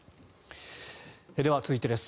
では、続いてです。